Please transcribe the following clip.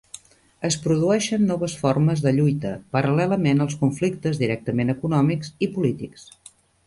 Es produeixen noves formes de lluita paral·lelament als conflictes directament econòmics i polítics.